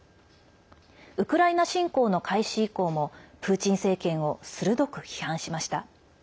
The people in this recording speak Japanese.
ウクライナ侵攻の開始以降もプーチン政権を鋭く批判しました。